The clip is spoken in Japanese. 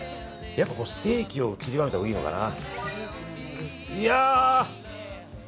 やっぱステーキをちりばめたほうがいいのかな。